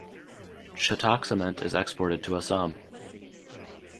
Chhatak Cement is exported to Assam.